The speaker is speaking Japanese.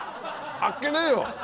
あっけねえよ！